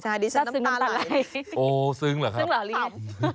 สัตว์ซึ้งน้ำตาไหล่ซึ้งเหรอครับซึ้งเหรอลีอาร์ครับ